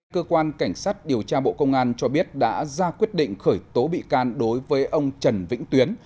cơ quan cảnh sát điều tra bộ công an cho biết đã ra quyết định khởi tố bị can đối với ông trần vĩnh tuyến